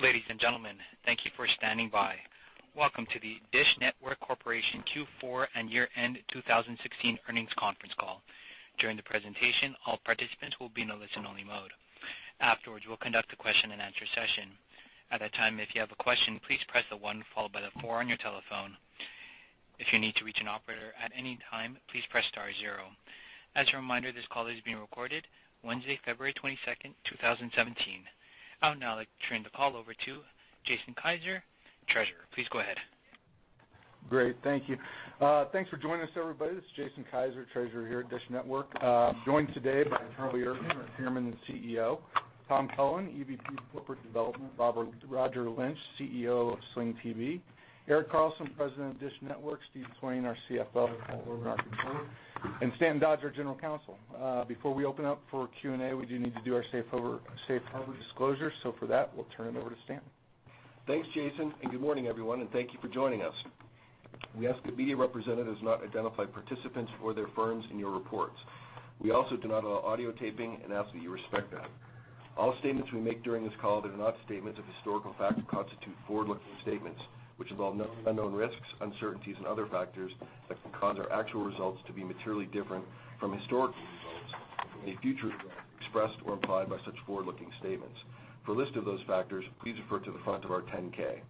Ladies and gentlemen, thank you for standing by. Welcome to the DISH Network Corporation Q4 and year-end 2016 earnings conference call. During the presentation, all participants will be in a listen-only mode. Afterwards, we'll conduct a question-and-answer session. At that time, if you have a question, please press the one followed by the four on your telephone. If you need to reach an operator at any time, please press star zero. As a reminder, this call is being recorded Wednesday, February 22nd, 2017. I would now like to turn the call over to Jason Kiser, Treasurer. Please go ahead. Great. Thank you. Thanks for joining us everybody. This is Jason Kiser, Treasurer here at DISH Network. I'm joined today by Charlie Ergen, our Chairman and CEO, Tom Cullen, EVP of Corporate Development, Roger Lynch, CEO of Sling TV, Erik Carlson, President of DISH Network, Steve Swain, our CFO, and Stanton Dodge, our General Counsel. Before we open up for Q&A, we do need to do our safe harbor disclosure, so for that, we'll turn it over to Stan. Thanks, Jason. Good morning, everyone. Thank you for joining us. We ask that media representatives not identify participants or their firms in your reports. We also do not allow audio taping and ask that you respect that. All statements we make during this call that are not statements of historical fact constitute forward-looking statements, which involve unknown risks, uncertainties and other factors that can cause our actual results to be materially different from historical results and from any future results expressed or implied by such forward-looking statements. For a list of those factors, please refer to the front of our 10-K.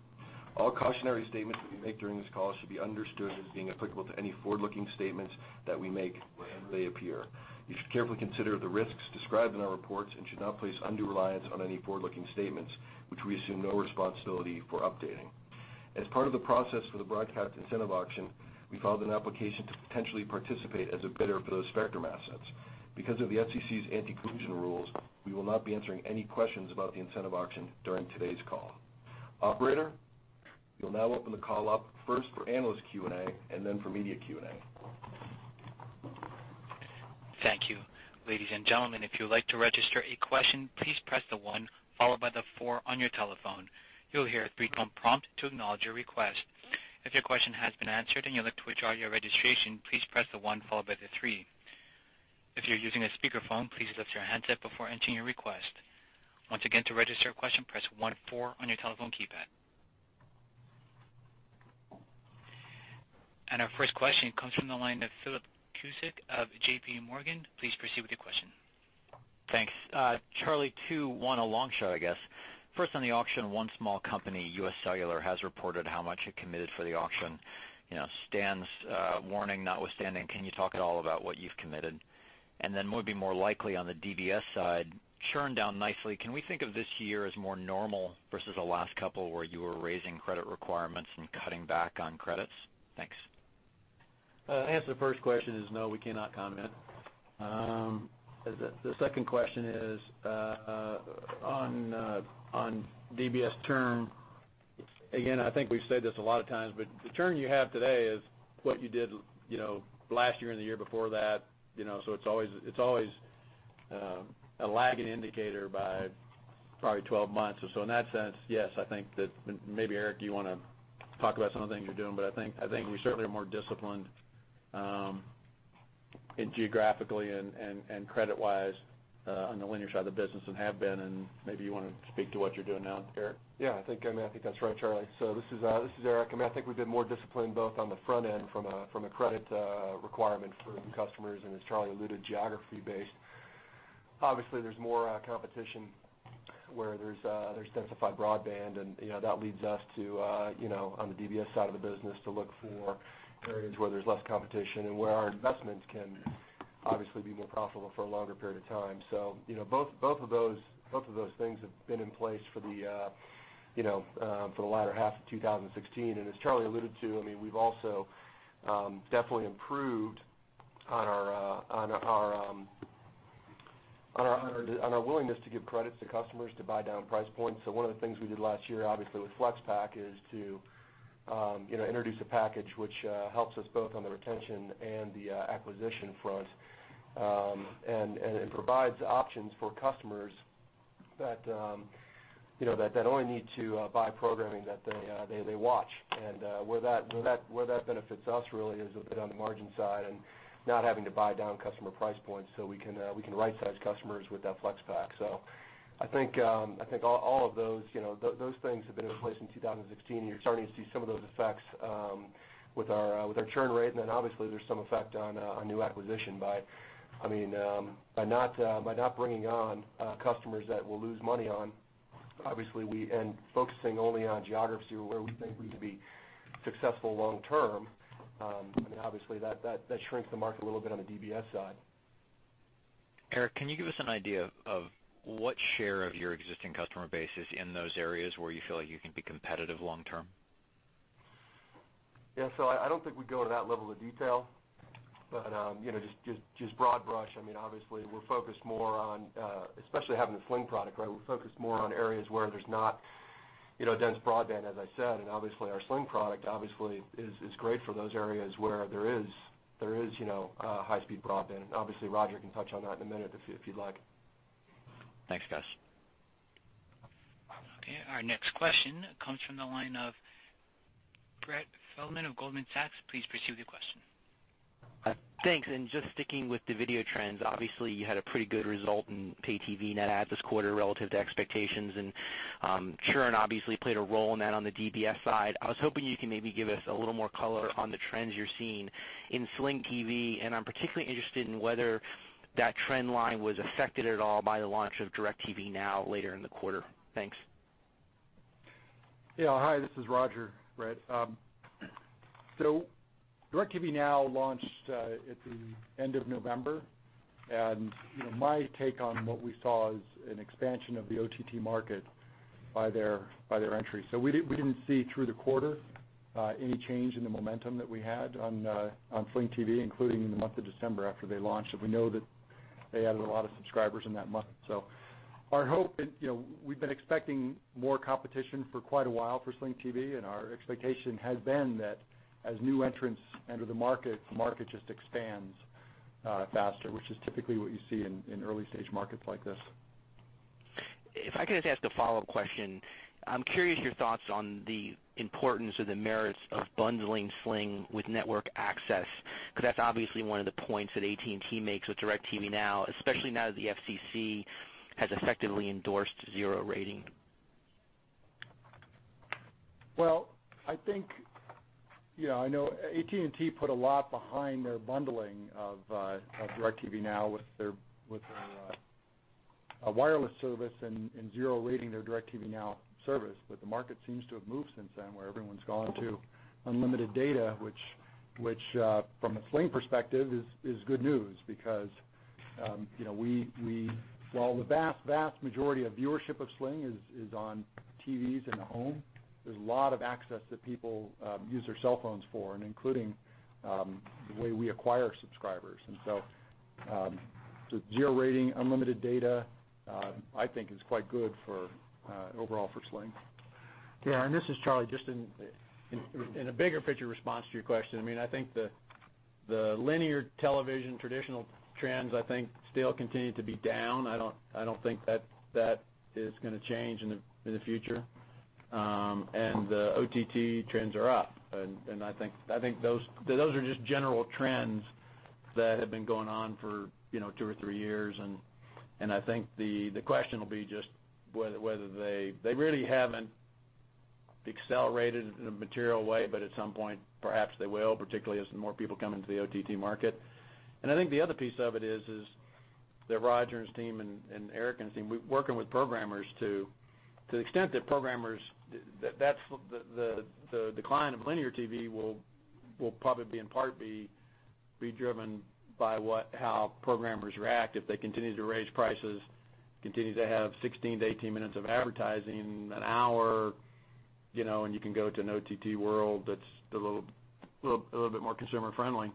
All cautionary statements that we make during this call should be understood as being applicable to any forward-looking statements that we make whenever they appear. You should carefully consider the risks described in our reports and should not place undue reliance on any forward-looking statements, which we assume no responsibility for updating. As part of the process for the broadcast incentive auction, we filed an application to potentially participate as a bidder for those spectrum assets. Because of the FCC's anti-collusion rules, we will not be answering any questions about the incentive auction during today's call. Operator, you'll now open the call up first for analyst Q&A and then for media Q&A. Thank you. Ladies and gentlemen, if you would like to register a question, please press the one, followed by the four on your telephone. You'll hear a three-tone prompt to acknowledge your request. If your question has been answered and you would like to withdraw your registration, please press the one, followed by the three. If you're using a speakerphone, please lift your handset before entering your request. Once again, to register a question press one, four on your telephone keypad. And our first question comes from the line of Philip Cusick of JPMorgan. Please proceed with your question. Thanks. Charlie, two, one, a long shot, I guess. First, on the auction, one small company, US Cellular, has reported how much it committed for the auction. You know, Stan's warning notwithstanding, can you talk at all about what you've committed? Then maybe more likely on the DBS side, churn down nicely. Can we think of this year as more normal versus the last couple where you were raising credit requirements and cutting back on credits? Thanks. Answer to the first question is no, we cannot comment. The second question is on DBS churn, again, I think we've said this a lot of times, but the churn you have today is what you did, you know, last year and the year before that, you know, so it's always a lagging indicator by probably 12 months or so. In that sense, yes, I think that Maybe Erik, do you wanna talk about some of the things you're doing? But I think we certainly are more disciplined in geographically and credit-wise on the linear side of the business and have been, and maybe you wanna speak to what you're doing now, Erik. I think, I mean, I think that's right, Charlie. This is Erik Carlson. I mean, I think we've been more disciplined both on the front end from a credit requirement for new customers and as Charlie alluded, geography based. Obviously, there's more competition where there's densified broadband and, you know, that leads us to, you know, on the DBS side of the business to look for areas where there's less competition and where our investments can obviously be more profitable for a longer period of time. You know, both of those things have been in place for the latter half of 2016. As Charlie alluded to, I mean, we've also, definitely improved on our willingness to give credits to customers to buy down price points. One of the things we did last year, obviously with FlexPack, is to, you know, introduce a package which helps us both on the retention and the acquisition front. It provides options for customers that, you know, that only need to buy programming that they watch. Where that benefits us really is a bit on the margin side and not having to buy down customer price points, so we can right-size customers with that FlexPack. I think, I think all of those, you know, those things have been in place since 2016. You're starting to see some of those effects with our churn rate. Obviously, there's some effect on new acquisition by, I mean, by not bringing on customers that we'll lose money on. Obviously, focusing only on geography where we think we can be successful long term, I mean, obviously that shrinks the market a little bit on the DBS side. Erik, can you give us an idea of what share of your existing customer base is in those areas where you feel like you can be competitive long term? I don't think we go to that level of detail. You know, just broad brush, I mean, obviously we're focused more on especially having the Sling product, right? We're focused more on areas where there's not, you know, dense broadband, as I said. Obviously, our Sling product obviously is great for those areas where there is, you know, high-speed broadband. Obviously, Roger can touch on that in a minute if you'd like. Thanks, guys. Okay. Our next question comes from the line of Brett Feldman of Goldman Sachs, please proceed with your question. Thanks. Just sticking with the video trends, obviously, you had a pretty good result in pay TV net adds this quarter relative to expectations, and churn obviously played a role in that on the DBS side. I was hoping you could maybe give us a little more color on the trends you're seeing in Sling TV, and I'm particularly interested in whether that trend line was affected at all by the launch of DIRECTV Now later in the quarter. Thanks. Yeah. Hi, this is Roger, Brett. DIRECTV Now launched at the end of November, and, you know, my take on what we saw is an expansion of the OTT market by their, by their entry. We didn't see through the quarter any change in the momentum that we had on Sling TV, including in the month of December after they launched, and we know that they added a lot of subscribers in that month. Our hope and, you know, we've been expecting more competition for quite a while for Sling TV, and our expectation has been that as new entrants enter the market, the market just expands faster, which is typically what you see in early stage markets like this. If I could just ask a follow-up question. I'm curious your thoughts on the importance or the merits of bundling Sling with network access, 'cause that's obviously one of the points that AT&T makes with DIRECTV Now, especially now that the FCC has effectively endorsed zero rating. Well, I think, you know, I know AT&T put a lot behind their bundling of DIRECTV NOW with their wireless service and zero rating their DIRECTV NOW service. The market seems to have moved since then, where everyone's gone to unlimited data which, from a Sling perspective is good news because, you know, we while the vast majority of viewership of Sling is on TVs in the home, there's a lot of access that people use their cell phones for, and including, the way we acquire subscribers. So zero rating unlimited data, I think is quite good for overall for Sling. Yeah, this is Charlie. Just in a bigger picture response to your question, I mean, I think the linear television traditional trends still continue to be down. I don't think that that is gonna change in the future. The OTT trends are up, and I think those are just general trends that have been going on for, you know, two or three years. I think the question will be just whether they really haven't accelerated in a material way, but at some point perhaps they will, particularly as more people come into the OTT market. I think the other piece of it is that Roger and his team and Erik and his team, we're working with programmers to the extent that programmers, that's the decline of linear TV will probably in part be driven by what, how programmers react. If they continue to raise prices, continue to have 16 to 18 minutes of advertising an hour, you know, and you can go to an OTT world that's a little bit more consumer friendly,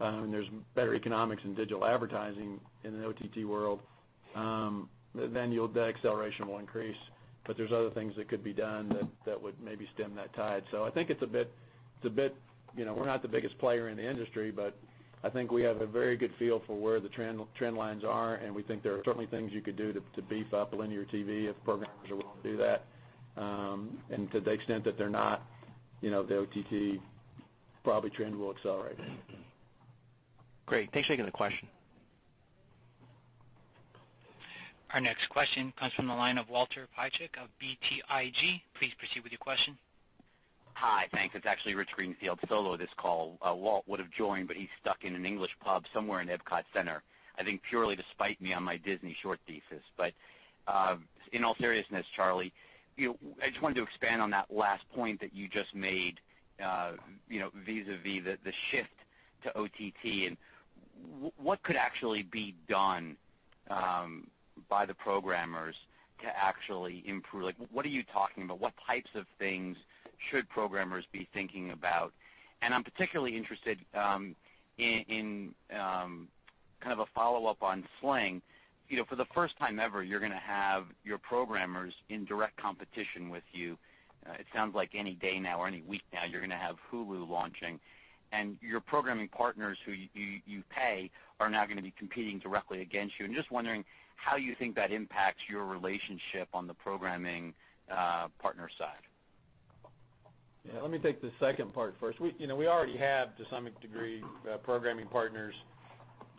and there's better economics in digital advertising in the OTT world, then the acceleration will increase. But there's other things that could be done that would maybe stem that tide. I think it's a bit, you know, we're not the biggest player in the industry, but I think we have a very good feel for where the trend lines are, and we think there are certainly things you could do to beef up linear TV if programmers are willing to do that. And to the extent that they're not, you know, the OTT probably trend will accelerate. Great. Thanks for taking the question. Our next question comes from the line of Walter Piecyk of BTIG. Please proceed with your question. Hi. Thanks. It's actually Rich Greenfield solo this call. Walt would have joined, but he's stuck in an English pub somewhere in Epcot Center, I think purely to spite me on my Disney short thesis. In all seriousness, Charlie, you know, I just wanted to expand on that last point that you just made, you know, vis-à-vis the shift to OTT, and what could actually be done by the programmers to actually improve? Like, what are you talking about? What types of things should programmers be thinking about? I'm particularly interested in kind of a follow-up on Sling. You know, for the first time ever, you're gonna have your programmers in direct competition with you. It sounds like any day now or any week now you're gonna have Hulu launching, and your programming partners who you pay are now gonna be competing directly against you. Just wondering how you think that impacts your relationship on the programming partner side. Yeah. Let me take the second part first. We, you know, we already have to some degree, programming partners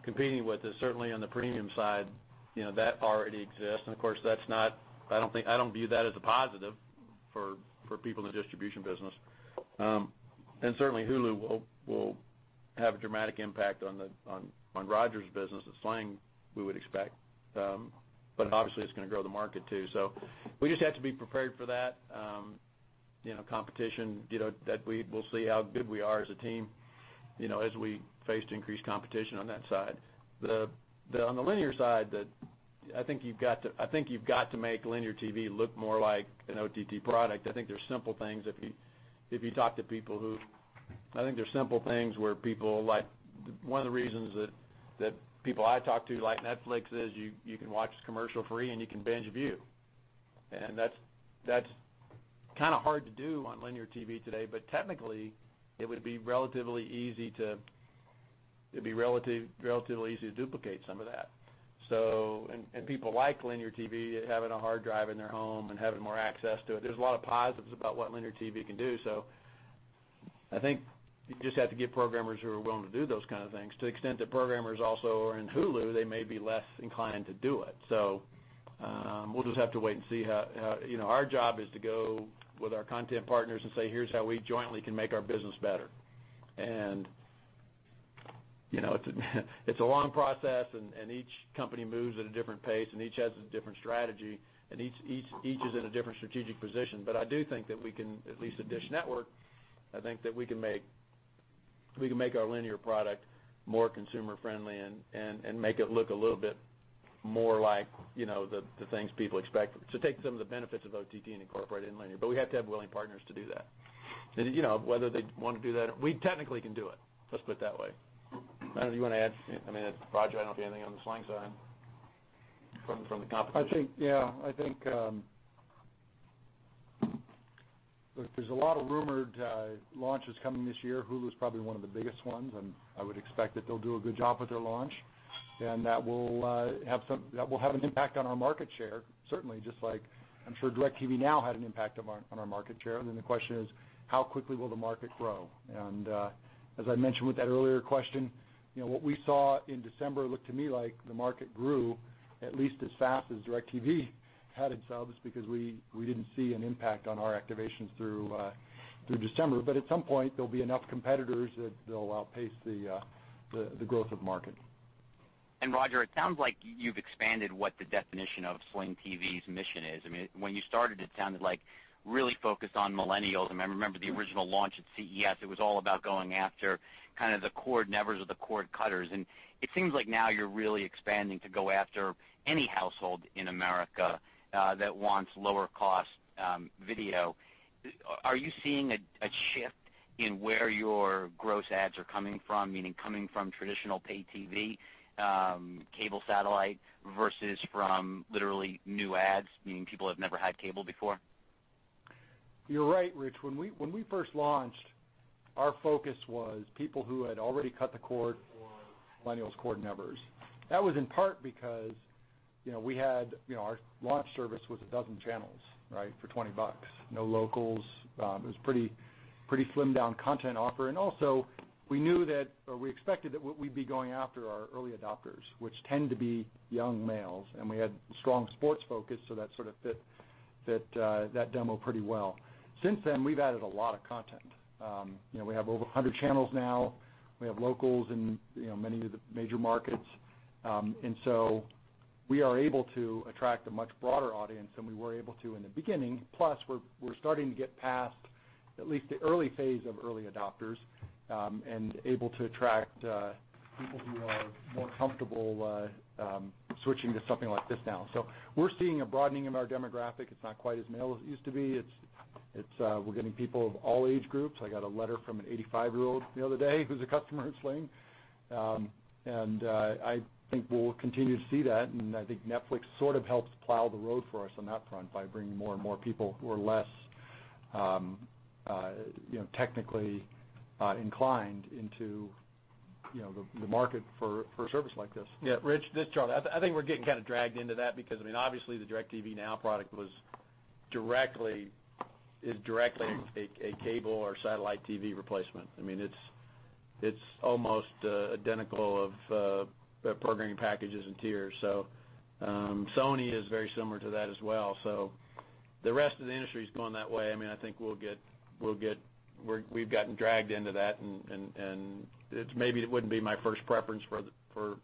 competing with us, certainly on the premium side. You know, that already exists, of course, that's not, I don't think, I don't view that as a positive for people in the distribution business. Certainly Hulu will have a dramatic impact on Roger Lynch's business with Sling TV, we would expect. Obviously it's gonna grow the market too. We just have to be prepared for that. You know, competition, you know, that we'll see how good we are as a team, you know, as we face increased competition on that side. On the linear side, I think you've got to, I think you've got to make linear TV look more like an OTT product. I think there's simple things if you talk to people who like. One of the reasons that people I talk to like Netflix is you can watch commercial free, and you can binge view. That's kinda hard to do on linear TV today, technically it would be relatively easy to duplicate some of that. People like linear TV having a hard drive in their home and having more access to it. There's a lot of positives about what linear TV can do. I think you just have to get programmers who are willing to do those kind of things. To the extent that programmers also are in Hulu, they may be less inclined to do it. We'll just have to wait and see how You know, our job is to go with our content partners and say, "Here's how we jointly can make our business better." You know, it's a long process and each company moves at a different pace, and each has a different strategy, and each is in a different strategic position. I do think that we can, at least at DISH Network, I think that we can make our linear product more consumer friendly and make it look a little bit more like, you know, the things people expect. Take some of the benefits of OTT and incorporate it in linear, but we have to have willing partners to do that. You know, whether they'd wanna do that or We technically can do it. Let's put it that way. I don't know if you wanna add I mean, Roger, I don't see anything on the Sling side from the competition. I think, yeah, I think, look, there's a lot of rumored launches coming this year. Hulu's probably one of the biggest ones. I would expect that they'll do a good job with their launch. That will have an impact on our market share, certainly, just like I'm sure DIRECTV Now had an impact on our market share. Then the question is: How quickly will the market grow? As I mentioned with that earlier question, you know, what we saw in December looked to me like the market grew at least as fast as DIRECTV had itself just because we didn't see an impact on our activations through December. At some point there'll be enough competitors that they'll outpace the growth of market. Roger, it sounds like you've expanded what the definition of Sling TV's mission is. I mean, when you started, it sounded like really focused on millennials. I mean, I remember the original launch at CES, it was all about going after kind of the cord nevers or the cord cutters. It seems like now you're really expanding to go after any household in America that wants lower cost video. Are you seeing a shift in where your gross adds are coming from, meaning coming from traditional pay TV, cable, satellite, versus from literally new adds, meaning people that have never had cable before? You're right, Rich. When we first launched, our focus was people who had already cut the cord or millennials, cord nevers. That was in part because, you know, we had, you know, our launch service was 12 channels, right, for $20. No locals. It was pretty slimmed down content offer. Also we knew that, or we expected that we'd be going after our early adopters, which tend to be young males, and we had strong sports focus, so that sort of fit that demo pretty well. Since then, we've added a lot of content. You know, we have over 100 channels now. We have locals in, you know, many of the major markets. So we are able to attract a much broader audience than we were able to in the beginning. We're starting to get past at least the early phase of early adopters and able to attract people who are more comfortable switching to something like this now. We're seeing a broadening of our demographic. It's not quite as male as it used to be. We're getting people of all age groups. I got a letter from an 85 year-old the other day who's a customer at Sling. I think we'll continue to see that, and I think Netflix sort of helps plow the road for us on that front by bringing more and more people who are less technically inclined into the market for a service like this. Yeah, Rich, this is Charlie. I think we're getting kind of dragged into that because, I mean, obviously the DIRECTV Now product was directly, is directly a cable or satellite TV replacement. I mean, it's almost identical of the programming packages and tiers. Sony is very similar to that as well. The rest of the industry's going that way. I mean, I think we've gotten dragged into that, and it's maybe it wouldn't be my first preference for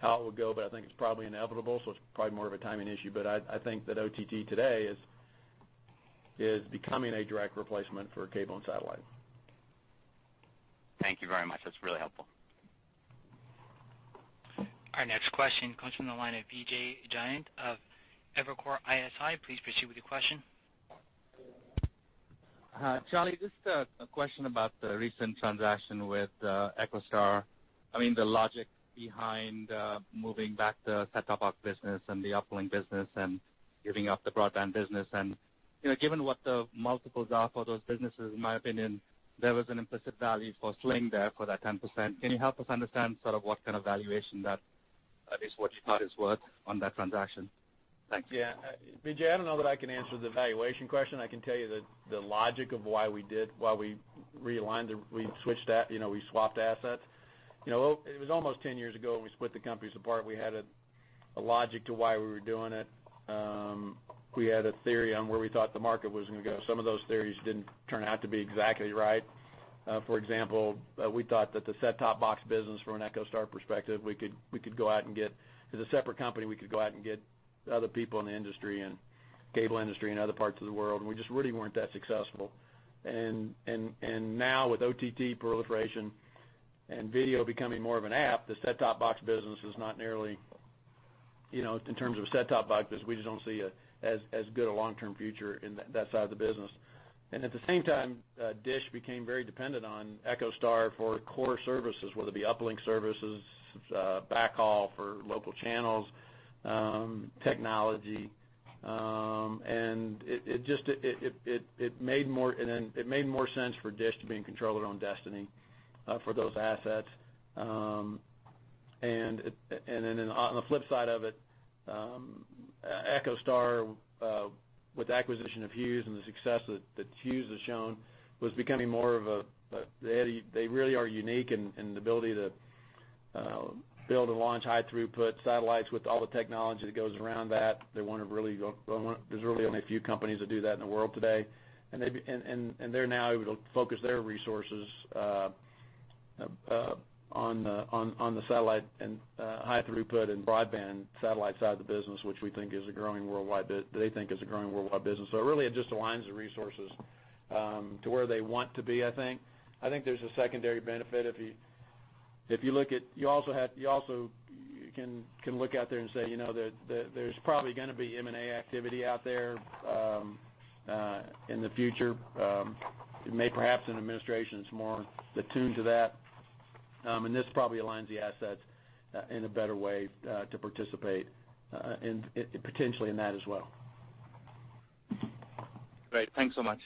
how it would go, but I think it's probably inevitable, it's probably more of a timing issue. I think that OTT today is becoming a direct replacement for cable and satellite. Thank you very much. That is really helpful. Our next question comes from the line of Vijay Jayant of Evercore ISI. Please proceed with your question. Hi. Charlie, just a question about the recent transaction with EchoStar. I mean, the logic behind moving back the set-top box business and the uplink business and giving up the broadband business. You know, given what the multiples are for those businesses, in my opinion, there was an implicit value for Sling there for that 10%. Can you help us understand sort of what kind of valuation that, at least what you thought it was worth on that transaction? Thanks. Yeah. Vijay, I don't know that I can answer the valuation question. I can tell you the logic of why we did, why we realigned the, you know, we swapped assets. You know, it was almost 10 years ago when we split the companies apart. We had a logic to why we were doing it. We had a theory on where we thought the market was gonna go. Some of those theories didn't turn out to be exactly right. For example, we thought that the set-top box business from an EchoStar perspective, we could go out and get As a separate company, we could go out and get other people in the industry and cable industry in other parts of the world, and we just really weren't that successful. Now with OTT proliferation and video becoming more of an app, the set-top box business is not nearly, you know, in terms of a set-top box business, we just don't see as good a long-term future in that side of the business. At the same time, DISH became very dependent on EchoStar for core services, whether it be uplink services, backhaul for local channels, technology. It just made more sense for DISH to be in control of their own destiny for those assets. On the flip side of it, EchoStar with the acquisition of Hughes and the success that Hughes has shown was becoming more of a, they really are unique in the ability to build and launch high throughput satellites with all the technology that goes around that. They want to really go. There's really only a few companies that do that in the world today. They're now able to focus their resources on the satellite and high throughput and broadband satellite side of the business, which we think is a growing worldwide they think is a growing worldwide business. Really it just aligns the resources to where they want to be, I think. I think there's a secondary benefit if you look at. You also can look out there and say, you know, there's probably going to be M&A activity out there in the future, may perhaps an administration that's more attuned to that. This probably aligns the assets in a better way to participate potentially in that as well. Great. Thanks so much.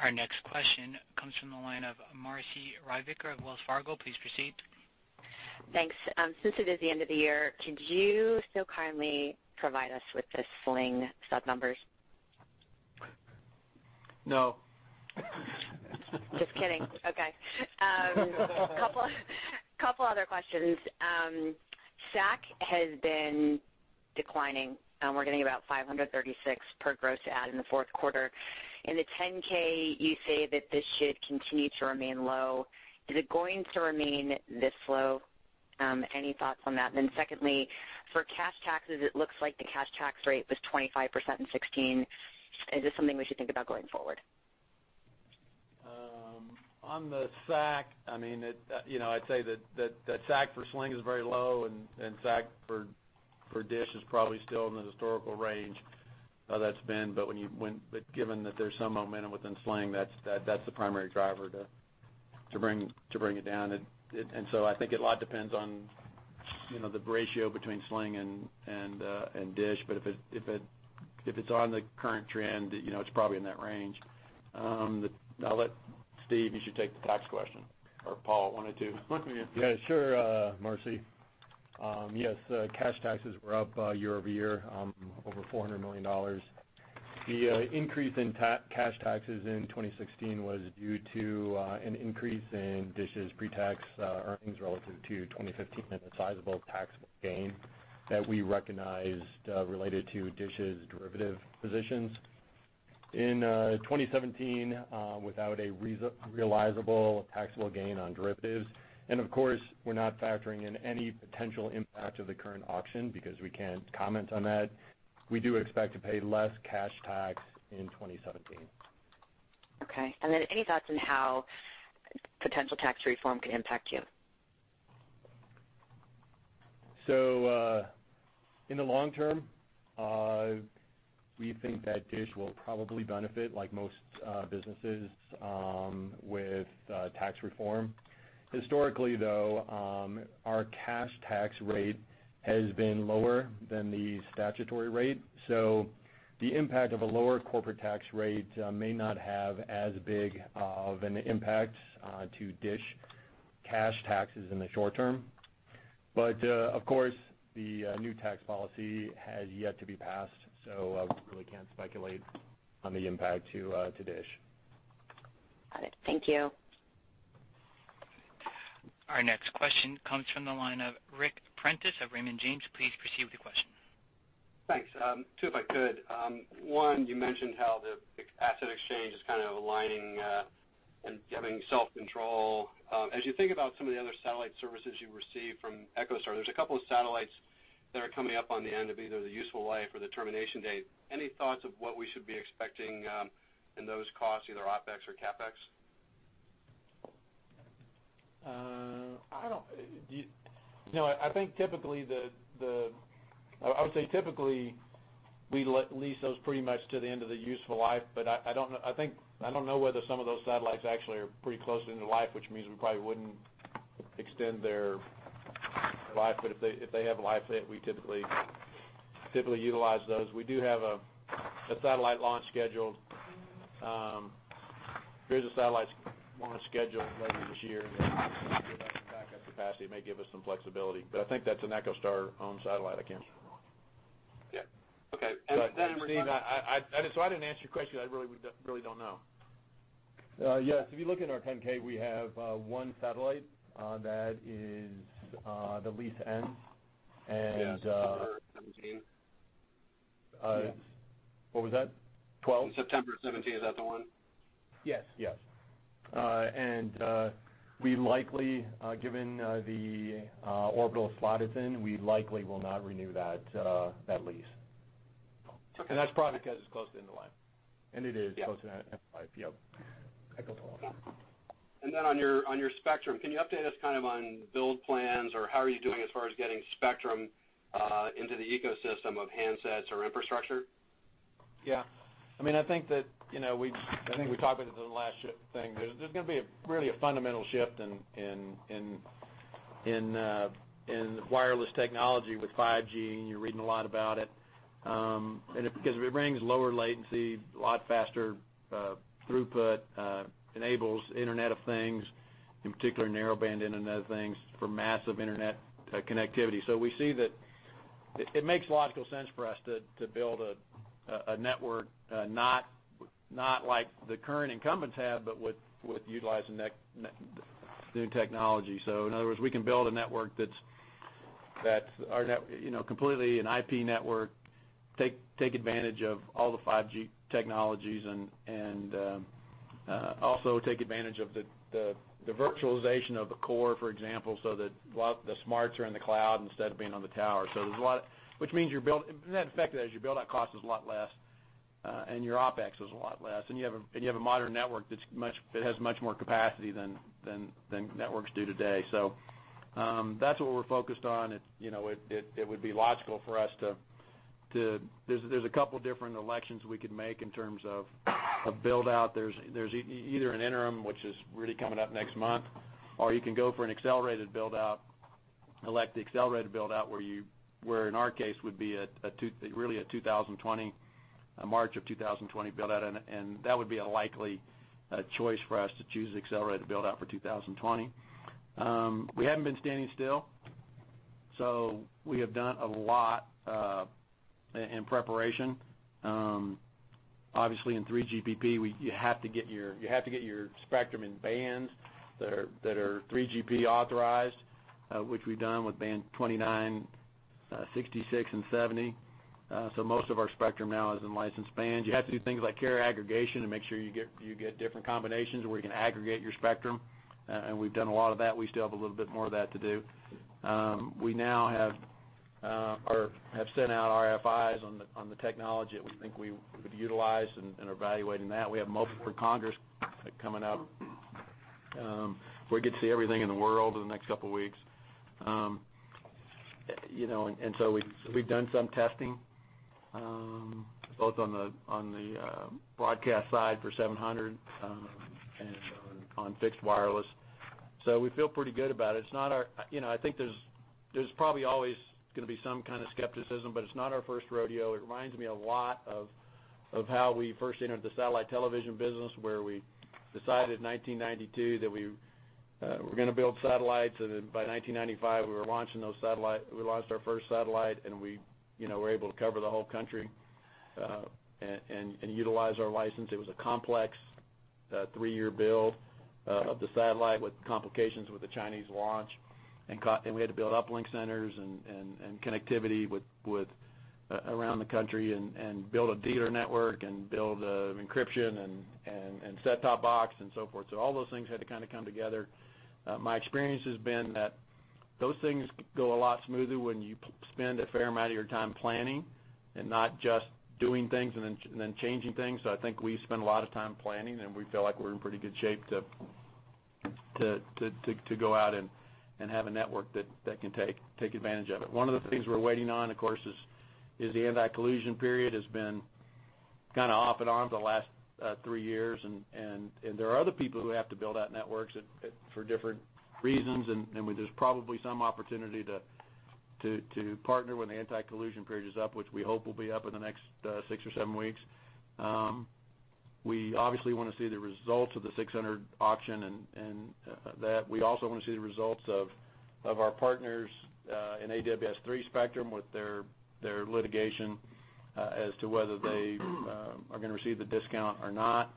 Our next question comes from the line of Marci Ryvicker of Wells Fargo. Please proceed. Thanks. Since it is the end of the year, could you still kindly provide us with the Sling sub numbers? No. Just kidding. Okay. Couple other questions. SAC has been declining. We're getting about $536 per gross add in the fourth quarter. In the 10-K, you say that this should continue to remain low. Is it going to remain this low? Any thoughts on that? Secondly, for cash taxes, it looks like the cash tax rate was 25% in 2016. Is this something we should think about going forward? On the SAC, I mean, you know, I'd say that SAC for Sling is very low and SAC for DISH is probably still in the historical range that's been. Given that there's some momentum within Sling, that's the primary driver to bring it down. I think a lot depends on, you know, the ratio between Sling and DISH. If it's on the current trend, you know, it's probably in that range. I'll let Steve, you should take the tax question, or Paul. One of two. Sure, Marcy. Yes, cash taxes were up year-over-year over $400 million. The increase in cash taxes in 2016 was due to an increase in DISH's pretax earnings relative to 2015 and a sizable taxable gain that we recognized related to DISH's derivative positions. In 2017, without a realizable taxable gain on derivatives, and of course, we're not factoring in any potential impact of the current auction because we can't comment on that, we do expect to pay less cash tax in 2017. Okay. Any thoughts on how potential tax reform could impact you? In the long term, we think that DISH will probably benefit like most businesses with tax reform. Historically, though, our cash tax rate has been lower than the statutory rate. The impact of a lower corporate tax rate may not have as big of an impact to DISH cash taxes in the short term. Of course, the new tax policy has yet to be passed, so I really can't speculate on the impact to DISH. Got it. Thank you. Our next question comes from the line of Ric Prentiss of Raymond James. Please proceed with your question. Thanks. Two, if I could one, you mentioned how the asset exchange is kind of aligning and giving self-control. As you think about some of the other satellite services you receive from EchoStar, there's a couple of satellites that are coming up on the end of either the useful life or the termination date. Any thoughts of what we should be expecting in those costs, either OpEx or CapEx? You know, I think typically, I would say typically we lease those pretty much to the end of the useful life. I don't know whether some of those satellites actually are pretty close to end of life, which means we probably wouldn't extend their life. If they have a life, we typically utilize those. We do have a satellite launch scheduled. There's a satellite launch scheduled later this year that backup capacity. It may give us some flexibility. I think that's an EchoStar-owned satellite. I can't remember wrong. Yeah. Okay. Steve, I didn't answer your question. We really don't know. Yes, if you look in our 10-K, we have one satellite that is the lease ends. Yeah, September 2017. What was that? 12? September 2017, is that the one? Yes, yes. We likely, given the orbital slot it's in, we likely will not renew that lease. Okay. That's probably 'cause it's close to end of life. It is close to that end of life, yep. EchoStar. On your spectrum, can you update us kind of on build plans, or how are you doing as far as getting spectrum into the ecosystem of handsets or infrastructure? I mean, I think that, you know, we, I think we talked about it at the last thing. There's gonna be a really a fundamental shift in wireless technology with 5G, and you're reading a lot about it. Because it brings lower latency, a lot faster throughput, enables Internet of Things, in particular, Narrowband Internet of Things for massive internet connectivity. We see that it makes logical sense for us to build a network, not like the current incumbents have, but with utilizing new technology. In other words, we can build a network that's, you know, completely an IP network, take advantage of all the 5G technologies and, also take advantage of the virtualization of the core, for example, so that a lot the smarts are in the cloud instead of being on the tower. There's a lot. Which means net effect is as you build, that cost is a lot less, and your OpEx is a lot less. You have a modern network that has much more capacity than networks do today. That's what we're focused on. It, you know, it would be logical for us to There's a couple different selections we could make in terms of build out. There's either an interim, which is really coming up next month, or you can go for an accelerated build out, elect the accelerated build out, where in our case would be a 2020, a March of 2020 build out. That would be a likely choice for us to choose accelerated build out for 2020. We haven't been standing still, so we have done a lot in preparation. Obviously in 3GPP, you have to get your spectrum in bands that are 3GPP authorized, which we've done with Band 29, 66, and 70. Most of our spectrum now is in licensed bands. You have to do things like carrier aggregation to make sure you get different combinations where you can aggregate your spectrum. We've done a lot of that. We still have a little bit more of that to do. We now have or have sent out RFIs on the technology that we think we would utilize and are evaluating that. We have multiple congress coming up, where we get to see everything in the world over the next couple weeks. You know, we've done some testing, both on the broadcast side for 700 and on fixed wireless. We feel pretty good about it. You know, I think there's probably always gonna be some kinda skepticism, but it's not our first rodeo. It reminds me a lot of how we first entered the satellite television business, where we decided in 1992 that we were gonna build satellites. By 1995, we launched our first satellite, and we, you know, were able to cover the whole country and utilize our license. It was a complex three year build of the satellite with complications with the Chinese launch. We had to build uplink centers and connectivity with around the country and build a dealer network and build encryption and set-top box and so forth. All those things had to kinda come together. My experience has been that those things go a lot smoother when you spend a fair amount of your time planning and not just doing things and then, and then changing things. I think we spend a lot of time planning, and we feel like we're in pretty good shape to go out and have a network that can take advantage of it. One of the things we're waiting on, of course, is the anti-collusion period has been kinda off and on for the last three years. There are other people who have to build out networks for different reasons. There's probably some opportunity to partner when the anti-collusion period is up, which we hope will be up in the next 6 or 7 weeks. We obviously wanna see the results of the 600 auction and that. We also wanna see the results of our partners in AWS-3 spectrum with their litigation as to whether they are gonna receive the discount or not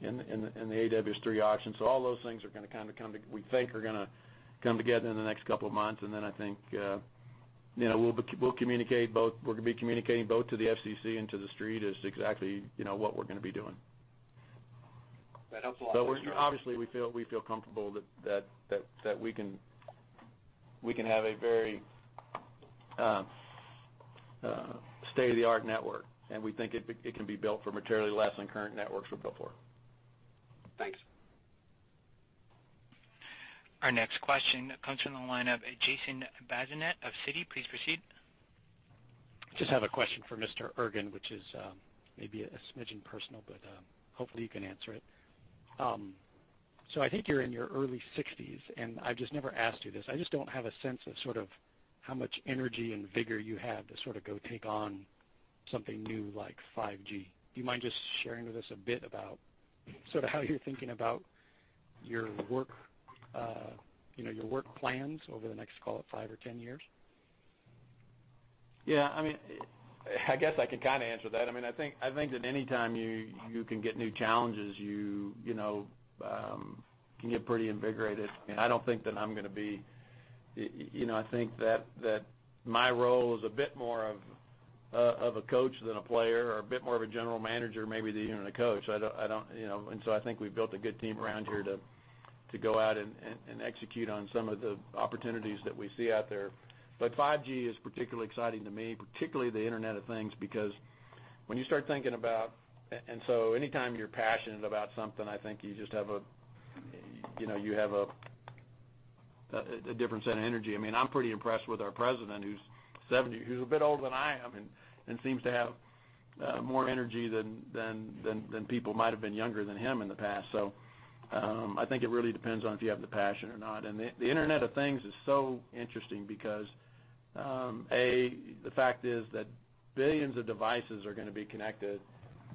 in the AWS-3 auction. All those things are gonna kinda come together in the next couple of months. I think, you know, we're gonna be communicating both to the FCC and to the street as to exactly, you know, what we're gonna be doing. That helps a lot, Mr. Ergen. Obviously, we feel comfortable that we can have a very state-of-the-art network, and we think it can be built for materially less than current networks were built for. Thanks. Our next question comes from the line of Jason Bazinet of Citi. Please proceed. Just have a question for Mr. Ergen, which is, maybe a smidgen personal, but, hopefully you can answer it. I think you're in your early 60s, and I've just never asked you this. I just don't have a sense of sort of how much energy and vigor you have to sort of go take on something new like 5G. Do you mind just sharing with us a bit about sort of how you're thinking about your work, you know, your work plans over the next, call it, five or 10 years? Yeah, I mean, I guess I can kinda answer that. I mean, I think that anytime you can get new challenges, you know, can get pretty invigorated. I don't think that I'm gonna be you know, I think that my role is a bit more of a coach than a player or a bit more of a general manager maybe than even a coach. I don't You know? I think we've built a good team around here to go out and execute on some of the opportunities that we see out there. 5G is particularly exciting to me, particularly the Internet of Things, because when you start thinking about anytime you're passionate about something, I think you just have a, you know, you have a different set of energy. I mean, I'm pretty impressed with our president, who's 70, who's a bit older than I am, and seems to have more energy than people might have been younger than him in the past. I think it really depends on if you have the passion or not. The Internet of Things is so interesting because the fact is that billions of devices are gonna be connected,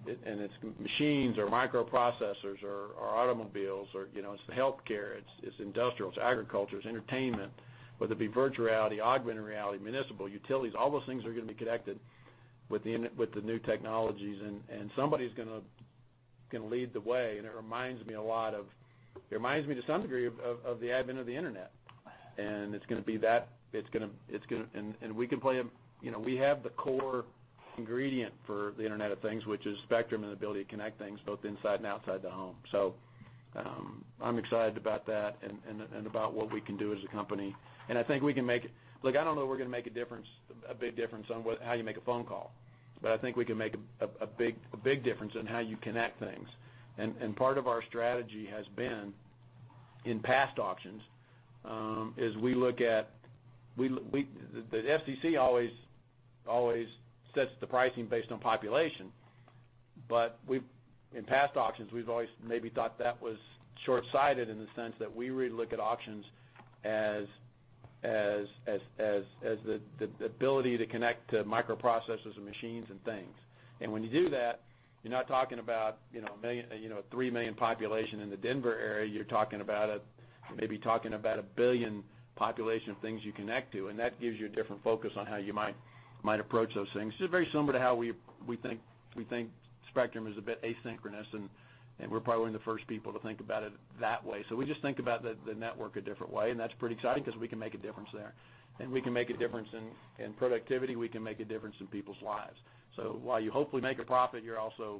it and it's machines, or microprocessors or automobiles or, you know, it's the healthcare, it's industrial, it's agriculture, it's entertainment. Whether it be virtual reality, augmented reality, municipal, utilities, all those things are gonna be connected with the new technologies and somebody's gonna lead the way, and it reminds me a lot of It reminds me to some degree of the advent of the internet. It's gonna be that, it's gonna we can play a You know, we have the core ingredient for the Internet of Things, which is spectrum and the ability to connect things both inside and outside the home. I'm excited about that and about what we can do as a company. I think we can make it. Look, I don't know if we're gonna make a difference, a big difference on what, how you make a phone call, but I think we can make a big difference in how you connect things. Part of our strategy has been, in past auctions, is we look at The FCC always sets the pricing based on population, but we've, in past auctions, we've always maybe thought that was shortsighted in the sense that we really look at auctions as the ability to connect to microprocessors and machines and things. When you do that, you're not talking about, you know, 1 million, 3 million population in the Denver area, you're talking about maybe 1 billion population of things you connect to, and that gives you a different focus on how you might approach those things. Just very similar to how we think spectrum is a bit asynchronous, and we're probably one of the first people to think about it that way. We just think about the network a different way, and that's pretty exciting 'cause we can make a difference there. We can make a difference in productivity, we can make a difference in people's lives. While you hopefully make a profit, you're also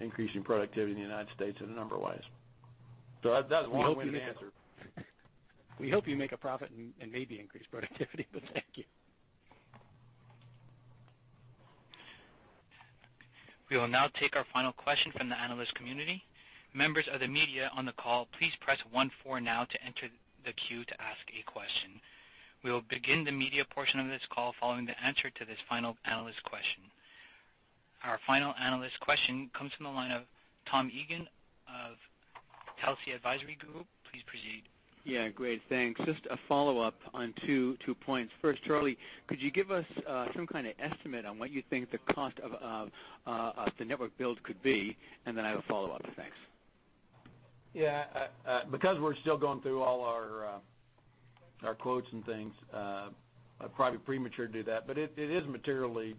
increasing productivity in the U.S. in a number of ways. That was a long-winded answer. We hope you make a profit and maybe increase productivity, but thank you. We will now take our final question from the analyst community. Members of the media on the call, please press 1, 4 now to enter the queue to ask a question. We will begin the media portion of this call following the answer to this final analyst question. Our final analyst question comes from the line of Tom Eagan of Telsey Advisory Group. Please proceed. Yeah. Great. Thanks. Just a follow-up on 2 points. First, Charlie, could you give us some kind of estimate on what you think the cost of the network build could be? I have a follow-up. Thanks. Yeah. Because we're still going through all our quotes and things, I'd probably be premature to do that. It is materially,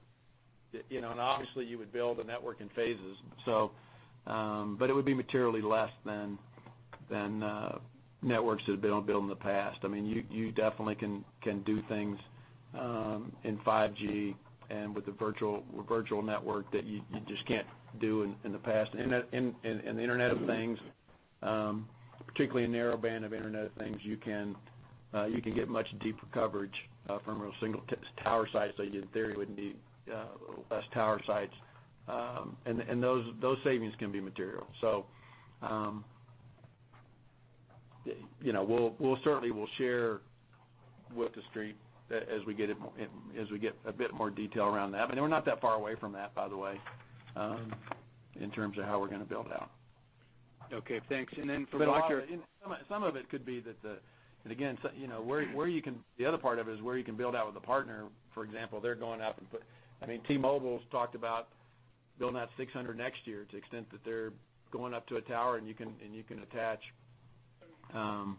you know, and obviously you would build a network in phases, so it would be materially less than networks that have been built in the past. I mean, you definitely can do things in 5G and with the virtual network that you just can't do in the past. That in the Internet of Things, particularly in Narrowband Internet of Things, you can get much deeper coverage from a single tower site, so you in theory would need less tower sites. And those savings can be material. You know, we'll certainly share with the street as we get it more, and as we get a bit more detail around that. We're not that far away from that, by the way, in terms of how we're going to build out. Okay. Thanks. Then for Roger A lot, you know, some of it could be that the again, you know, where you can. The other part of it is where you can build out with a partner. For example, they're going up and put I mean, T-Mobile's talked about building out 600 next year to the extent that they're going up to a tower and you can, and you can attach, some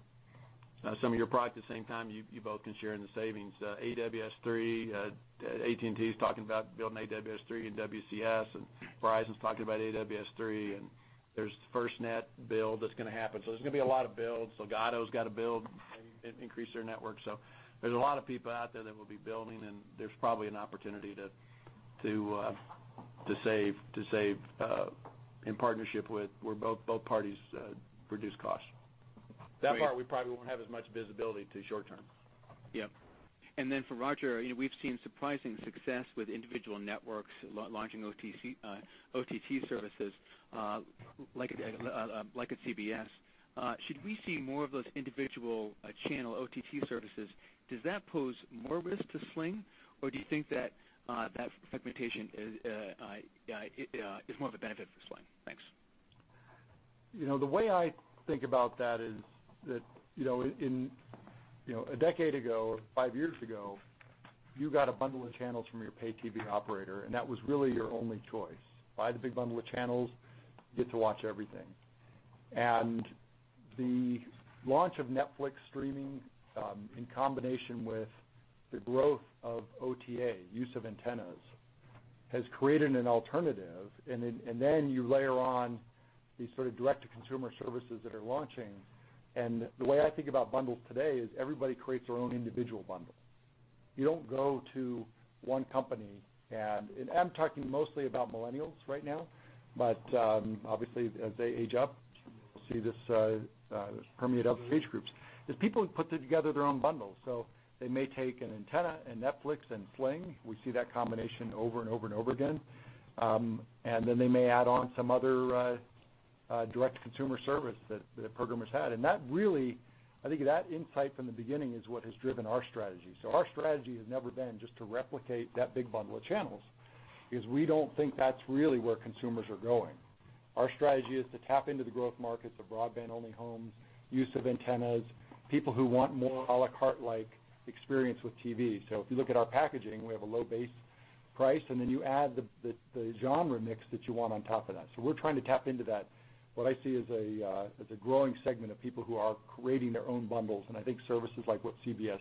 of your product the same time, you both can share in the savings. AWS-3, AT&T is talking about building AWS-3 and WCS, and Verizon's talking about AWS-3, and there's the FirstNet build that's gonna happen. There's gonna be a lot of builds. Ligado's got to build and increase their network. There's a lot of people out there that will be building, and there's probably an opportunity to save in partnership with where both parties reduce costs. That part we probably won't have as much visibility to short term. Yeah. For Roger, you know, we've seen surprising success with individual networks launching OTT services, like at CBS. Should we see more of those individual channel OTT services, does that pose more risk to Sling, or do you think that fragmentation is more of a benefit for Sling? Thanks. You know, the way I think about that is that in a decade ago, five years ago, you got a bundle of channels from your pay TV operator. That was really your only choice. Buy the big bundle of channels, get to watch everything. The launch of Netflix streaming in combination with the growth of OTA, use of antennas, has created an alternative. Then you layer on these sort of direct to consumer services that are launching. The way I think about bundles today is everybody creates their own individual bundle. You don't go to one company and I'm talking mostly about millennials right now, but obviously as they age up, we'll see this permeate other age groups. Is people put together their own bundles. They may take an antenna and Netflix and Sling. We see that combination over and over and over again. They may add on some other direct consumer service that a programmer's had. Really, I think that insight from the beginning is what has driven our strategy. Our strategy has never been just to replicate that big bundle of channels, because we don't think that's really where consumers are going. Our strategy is to tap into the growth markets of broadband-only homes, use of antennas, people who want more a la carte-like experience with TV. If you look at our packaging, we have a low base price, and then you add the genre mix that you want on top of that. We're trying to tap into that, what I see as a growing segment of people who are creating their own bundles, and I think services like what CBS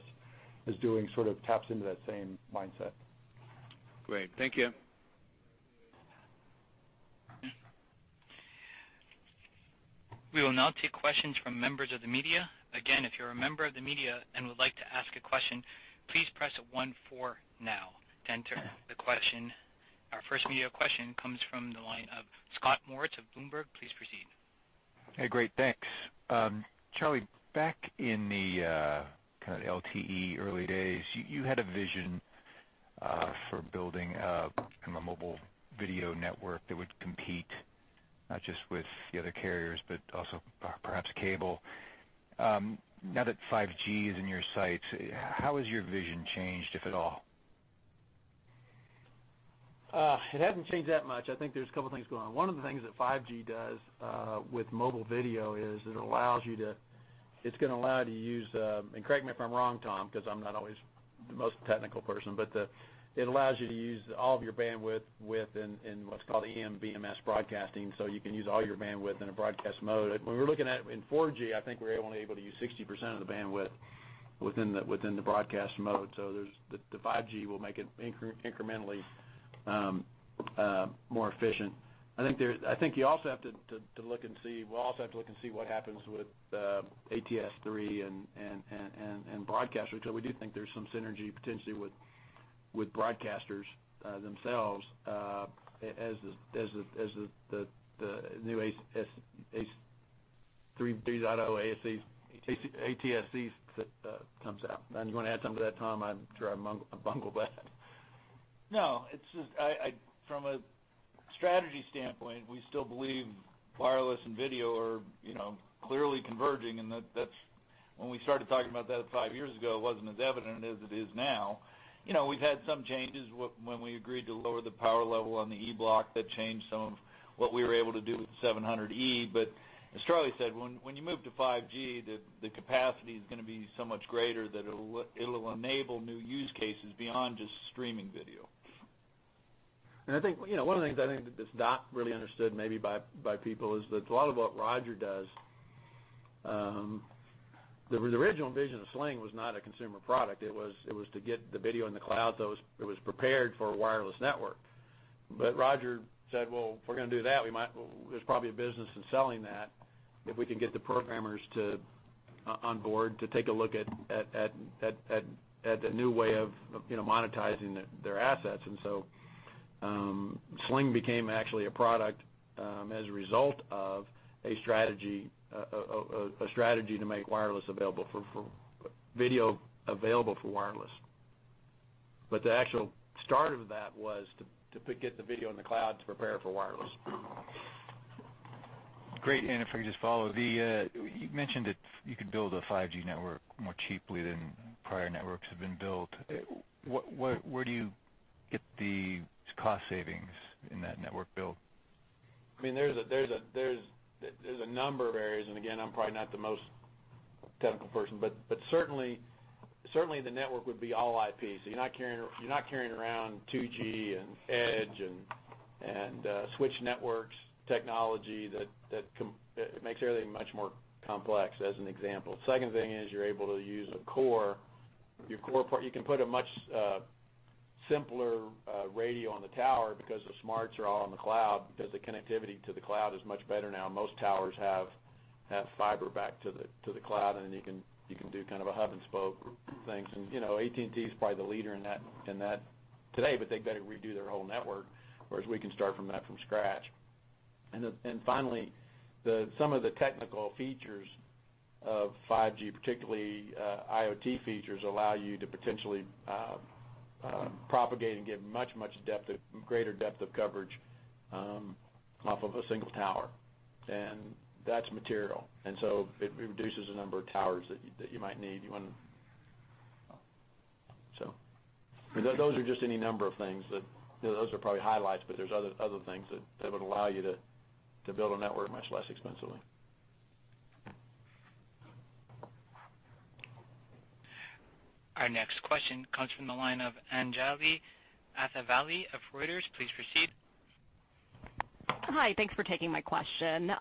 is doing sort of taps into that same mindset. Great. Thank you. We will now take questions from members of the media. Again, if you're a member of the media and would like to ask a question, please press one four now to enter the question. Our first media question comes from the line of Scott Moritz of Bloomberg. Please proceed. Hey, great. Thanks. Charlie, back in the kinda LTE early days, you had a vision for building a, kind of a mobile video network that would compete not just with the other carriers, but also perhaps cable. Now that 5G is in your sights, how has your vision changed, if at all? It hasn't changed that much. I think there's a couple things going on. One of the things that 5G does with mobile video is it's gonna allow you to use, and correct me if I'm wrong, Tom, 'cause I'm not always the most technical person, but it allows you to use all of your bandwidth in what's called eMBMS broadcasting, so you can use all your bandwidth in a broadcast mode. When we were looking at, in 4G, I think we were only able to use 60% of the bandwidth within the broadcast mode. The 5G will make it incrementally more efficient. I think there, I think you also have to look and see, we'll also have to look and see what happens with ATSC 3.0 and broadcasters, because we do think there's some synergy potentially with broadcasters, themselves, as the new ATSC 3.0 comes out. You wanna add something to that, Tom? I'm sure I bungled that. No, it's just, I From a strategy standpoint, we still believe wireless and video are, you know, clearly converging. That's when we started talking about that five years ago, it wasn't as evident as it is now. You know, we've had some changes when we agreed to lower the power level on the E Block. That changed some of what we were able to do with 700E. As Charlie said, when you move to 5G, the capacity is gonna be so much greater that it'll enable new use cases beyond just streaming video. I think, you know, one of the things I think that's not really understood maybe by people is that a lot of what Roger does, the original vision of Sling was not a consumer product. It was to get the video in the cloud so it was prepared for a wireless network. Roger said, "Well, if we're gonna do that, we might, there's probably a business in selling that if we can get the programmers to, on board to take a look at the new way of, you know, monetizing their assets." Sling became actually a product as a result of a strategy, a strategy to make wireless available for video available for wireless. The actual start of that was to get the video in the cloud to prepare for wireless. Great. If I could just follow, the, you mentioned that you could build a 5G network more cheaply than prior networks have been built. What, where do you get the cost savings in that network build? I mean, there's a number of areas. Again, I'm probably not the most technical person. Certainly the network would be all IP. You're not carrying around 2G and EDGE and switched networks technology that makes everything much more complex, as an example. Second thing is you're able to use a core, your core part. You can put a much simpler radio on the tower because the smarts are all on the cloud, because the connectivity to the cloud is much better now. Most towers have fiber back to the cloud. You can do kind of a hub and spoke things. You know, AT&T is probably the leader in that today, but they've got to redo their whole network, whereas we can start from scratch. Finally, the some of the technical features of 5G, particularly IoT features, allow you to potentially propagate and get much depth of, greater depth of coverage off of a single tower. That's material. It reduces the number of towers that you might need. Those are just any number of things that, those are probably highlights, but there's other things that would allow you to build a network much less expensively. Our next question comes from the line of Anjali Athavaley of Reuters. Please proceed. Hi. Thanks for taking my question.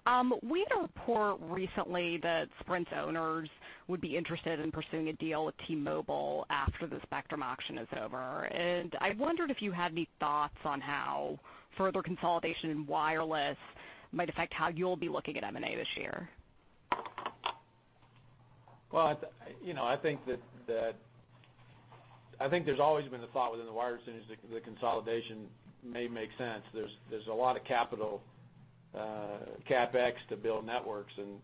We had a report recently that Sprint's owners would be interested in pursuing a deal with T-Mobile after the spectrum auction is over, and I wondered if you had any thoughts on how further consolidation in wireless might affect how you'll be looking at M&A this year. Well, you know, I think that I think there's always been the thought within the wireless industry that the consolidation may make sense. There's a lot of capital, CapEx to build networks and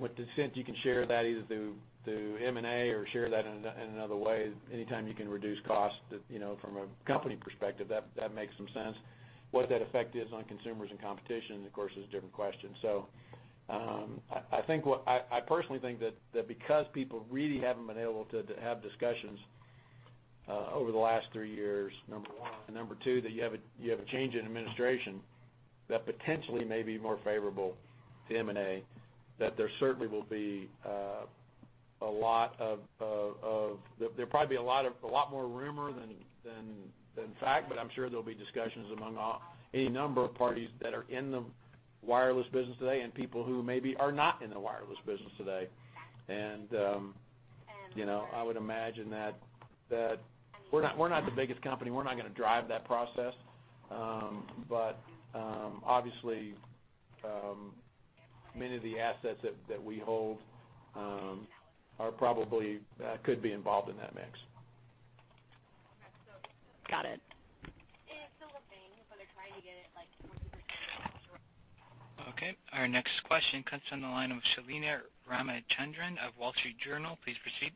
with this, you can share that either through M&A or share that in another way. Anytime you can reduce costs, you know, from a company perspective, that makes some sense. What that effect is on consumers and competition, of course, is a different question. I personally think that because people really haven't been able to have discussions over the last three years, number one, and number two, that you have a change in administration that potentially may be more favorable to M&A, that there certainly will be There'll probably be a lot more rumor than fact, but I'm sure there'll be discussions among a number of parties that are in the wireless business today and people who maybe are not in the wireless business today. You know, I would imagine that we're not the biggest company. We're not gonna drive that process. Obviously, many of the assets that we hold, are probably, could be involved in that mix. Got it. Okay. Our next question comes on the line of Shalini Ramachandran of The Wall Street Journal. Please proceed.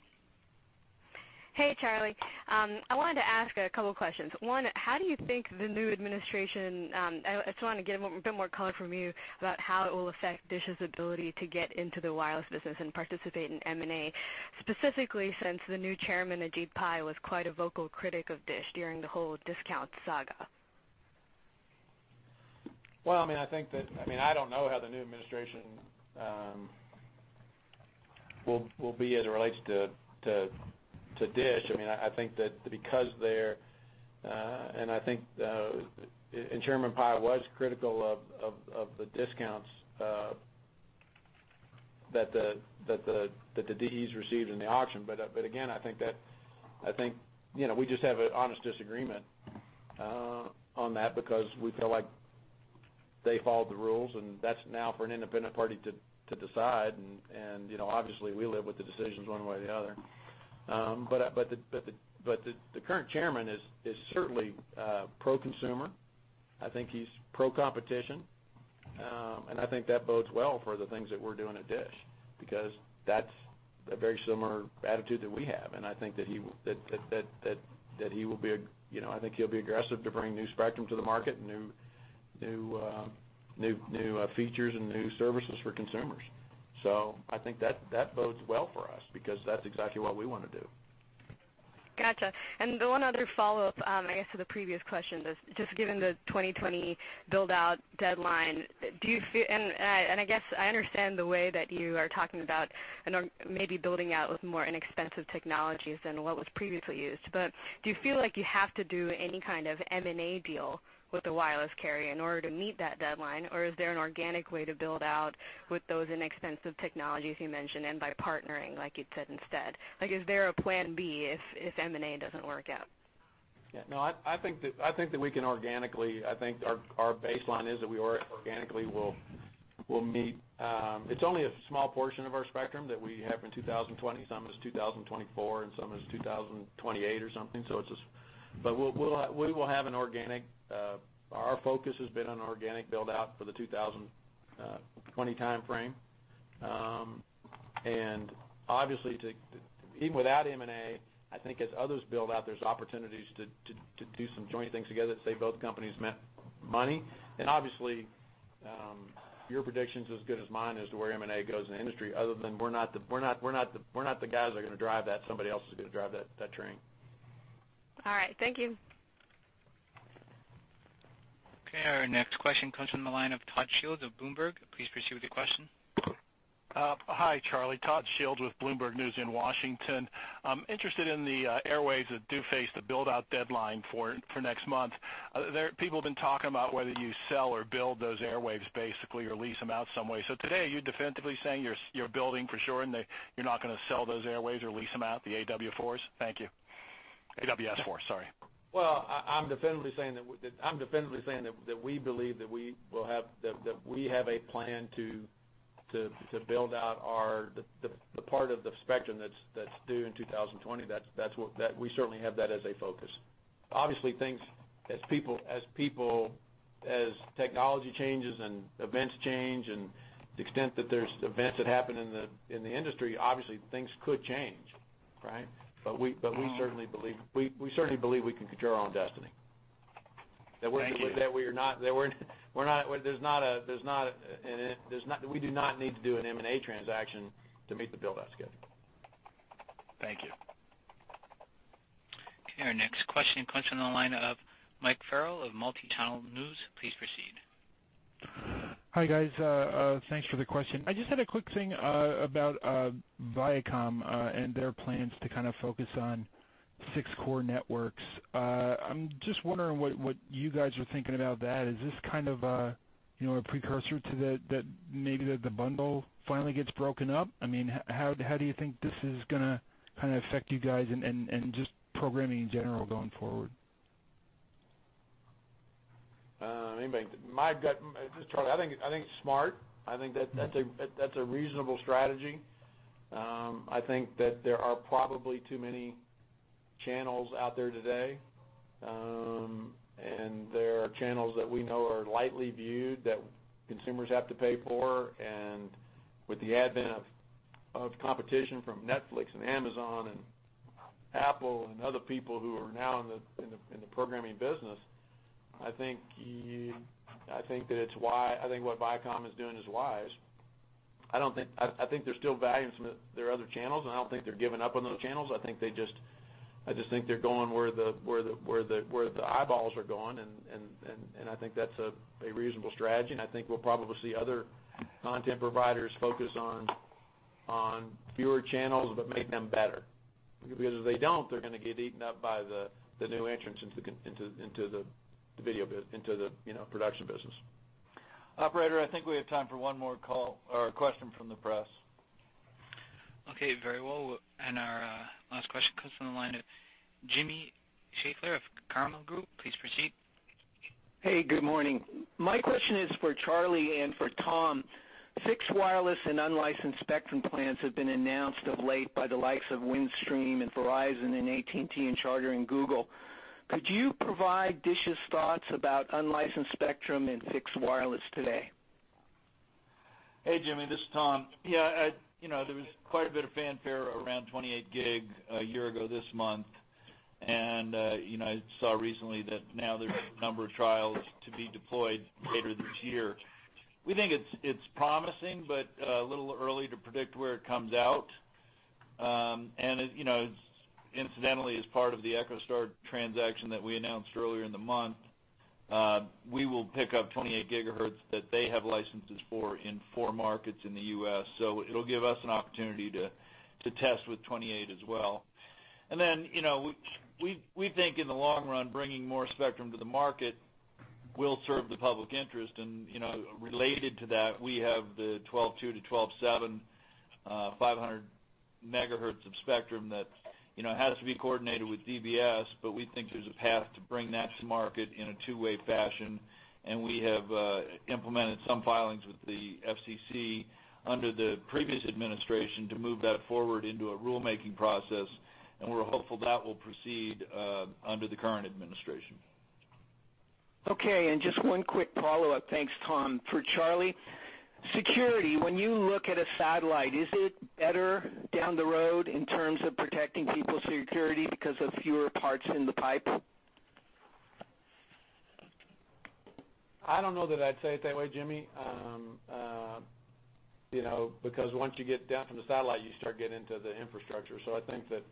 Hey, Charlie. I wanted to ask a couple questions. One, how do you think the new administration, I just wanna get a bit more color from you about how it will affect DISH's ability to get into the wireless business and participate in M&A, specifically since the new chairman, Ajit Pai, was quite a vocal critic of DISH during the whole discount saga. Well, I mean, I think that I mean, I don't know how the new administration will be as it relates to DISH. I mean, I think that because they're I think, Chairman Pai was critical of the discounts that the DEs received in the auction. Again, I think that I think, you know, we just have an honest disagreement on that because we feel like they followed the rules, and that's now for an independent party to decide. You know, obviously, we live with the decisions one way or the other. The current chairman is certainly pro-consumer. I think he's pro-competition. I think that bodes well for the things that we're doing at DISH because that's a very similar attitude that we have. I think that he will be a, you know, I think he'll be aggressive to bring new spectrum to the market and new features and new services for consumers. I think that bodes well for us because that's exactly what we wanna do. Gotcha. The one other follow-up, I guess to the previous question is just given the 2020 build-out deadline, I guess I understand the way that you are talking about and/or maybe building out with more inexpensive technologies than what was previously used. Do you feel like you have to do any kind of M&A deal with a wireless carrier in order to meet that deadline, or is there an organic way to build out with those inexpensive technologies you mentioned and by partnering, like you said, instead? Is there a plan B if M&A doesn't work out? Yeah. No, I think that we can organically I think our baseline is that we organically will meet. It's only a small portion of our spectrum that we have in 2020. Some is 2024, some is 2028 or something. It's just we will have an organic Our focus has been on organic build-out for the 2020 timeframe. Obviously to Even without M&A, I think as others build out, there's opportunities to do some joint things together that save both companies money. Obviously, your prediction's as good as mine as to where M&A goes in the industry other than we're not the guys that are gonna drive that. Somebody else is gonna drive that train. All right. Thank you. Okay. Our next question comes from the line of Todd Shields of Bloomberg. Please proceed with your question. Hi, Charlie. Todd Shields with Bloomberg in Washington. I'm interested in the airwaves that do face the build-out deadline for next month. People have been talking about whether you sell or build those airwaves basically or lease them out some way. Today, you're definitively saying you're building for sure and that you're not gonna sell those airwaves or lease them out, the AWS-4s? Thank you. AWS-4, sorry. Well, I'm definitively saying that I'm definitively saying that we believe that we will have that we have a plan to build out our part of the spectrum that's due in 2020. That's what we certainly have as a focus. Obviously, things as people, as technology changes and events change and the extent that there's events that happen in the industry, obviously things could change, right? We certainly believe we can control our own destiny. Thank you. That we are not, that we're not. There's not. We do not need to do an M&A transaction to meet the build-out schedule. Thank you. Okay. Our next question comes from the line of Mike Farrell of Multichannel News. Please proceed. Hi, guys. Thanks for the question. I just had a quick thing about Viacom and their plans to kind of focus on six core networks. I'm just wondering what you guys are thinking about that. Is this kind of a, you know, a precursor to that maybe that the bundle finally gets broken up? I mean, how do you think this is gonna kinda affect you guys and just programming in general going forward? I mean, this is Charlie. I think it's smart. I think that's a reasonable strategy. I think that there are probably too many channels out there today. There are channels that we know are lightly viewed that consumers have to pay for. With the advent of competition from Netflix and Amazon and Apple and other people who are now in the programming business, I think that it's why I think what Viacom is doing is wise. I think there's still value in some of their other channels. I don't think they're giving up on those channels. I just think they're going where the eyeballs are going, and I think that's a reasonable strategy. I think we'll probably see other content providers focus on fewer channels but make them better. If they don't, they're gonna get eaten up by the new entrants into the video into the, you know, production business. Operator, I think we have time for one more call or a question from the press. Okay, very well. Our last question comes from the line of Jimmy Schaeffler of The Carmel Group. Please proceed. Hey, good morning. My question is for Charlie and for Tom. Fixed wireless and unlicensed spectrum plans have been announced of late by the likes of Windstream and Verizon and AT&T and Charter and Google. Could you provide DISH's thoughts about unlicensed spectrum and fixed wireless today? Hey, Jimmy, this is Tom. Yeah, you know, there was quite a bit of fanfare around 28GHz one year ago this month. I saw recently that now there's a number of trials to be deployed later this year. We think it's promising, but a little early to predict where it comes out. It, you know, incidentally, as part of the EchoStar transaction that we announced earlier in the month, we will pick up 28GHz that they have licenses for in four markets in the U.S. It'll give us an opportunity to test with 28GHz as well. You know, we think in the long run, bringing more spectrum to the market will serve the public interest. You know, related to that, we have the 12.2-12.7, 500MHz of spectrum that, you know, has to be coordinated with DBS, but we think there's a path to bring that to market in a two-way fashion. We have implemented some filings with the FCC under the previous administration to move that forward into a rulemaking process, and we're hopeful that will proceed under the current administration. Okay, just one quick follow-up. Thanks, Tom. For Charlie, security, when you look at a satellite, is it better down the road in terms of protecting people's security because of fewer parts in the pipe? I don't know that I'd say it that way, Jimmy. You know, once you get down from the satellite, you start getting into the infrastructure. I think that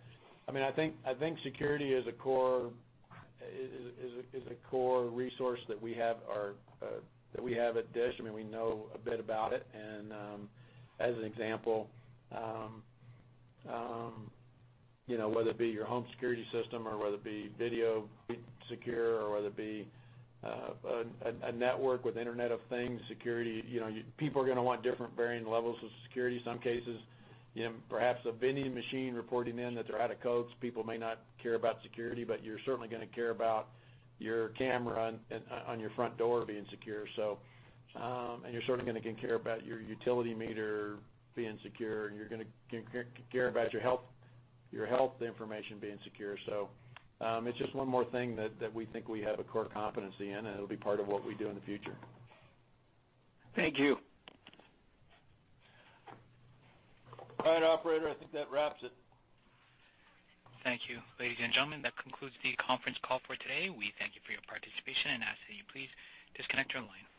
I mean, I think security is a core resource that we have at DISH. I mean, we know a bit about it. As an example, you know, whether it be your home security system or whether it be video secure or whether it be a network with Internet of Things security, you know, people are gonna want different varying levels of security. Some cases, you know, perhaps a vending machine reporting in that they're out of Cokes. People may not care about security, you're certainly gonna care about your camera on your front door being secure. You're certainly gonna care about your utility meter being secure, and you're gonna care about your health information being secure. It's just one more thing that we think we have a core competency in, and it'll be part of what we do in the future. Thank you. All right, operator, I think that wraps it. Thank you. Ladies and gentlemen, that concludes the conference call for today. We thank you for your participation and ask that you please disconnect your line.